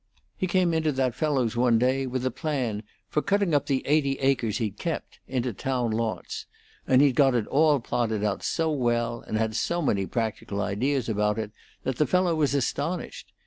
He came into that fellow's one day with a plan for cutting up the eighty acres he'd kept into town lots; and he'd got it all plotted out so well, and had so many practical ideas about it, that the fellow was astonished.